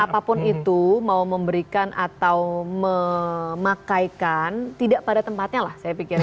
apapun itu mau memberikan atau memakaikan tidak pada tempatnya lah saya pikir ya